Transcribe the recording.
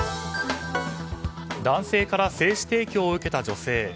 男性から精子提供を受けた女性。